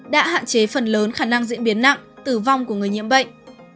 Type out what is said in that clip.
đã hạn chế phần lớn khả năng diễn biến nặng tử vong của người nhiễm bệnh